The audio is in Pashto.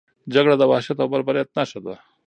جګړه د وحشت او بربریت نښه ده.